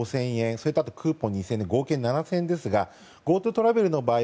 それとクーポン券２０００円で合計７０００円ですがＧｏＴｏトラベルの場合